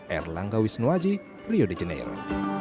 erlangga wisnuaji rio de janeiro